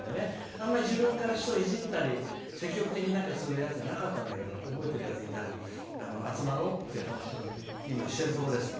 あまり自分から人をいじったり積極的に何かする人じゃなかったんだけど覚えてるやついたら集まろうって話を今、してるところです。